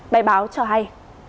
bài báo cho hay